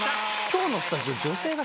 今日のスタジオ。